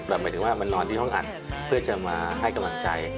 หมายถึงว่ามานอนที่ห้องอัดเพื่อจะมาให้กำลังใจ